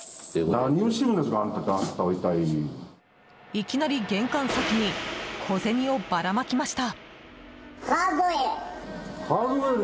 いきなり玄関先に小銭をばらまきました。